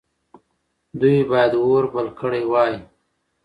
دوی باید اور بل کړی وای.